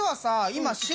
今。